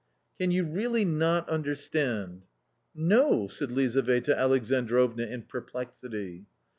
" Can you really not understand ?" "No 1" said Lizaveta Alexandrovna in perplexity.